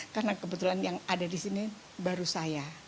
karena kebetulan yang ada di sini baru saya